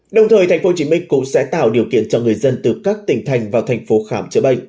đồng thời tp hcm cũng sẽ tạo điều kiện cho người dân từ các tỉnh thành vào tp hcm chữa bệnh